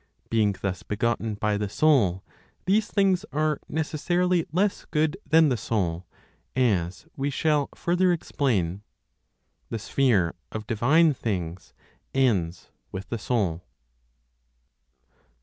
Being thus begotten by the Soul, these things are necessarily less good than the Soul, as we shall further explain. The sphere of divine things ends with the Soul.